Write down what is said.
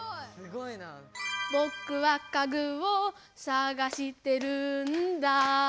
「ぼくはかぐをさがしてるんだ」